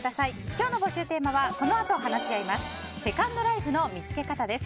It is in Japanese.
今日の募集テーマはこのあと話し合います